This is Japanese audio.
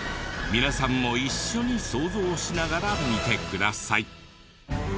皆さんも一緒に想像しながら見てください。